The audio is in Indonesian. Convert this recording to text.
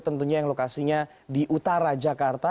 tentunya yang lokasinya di utara jakarta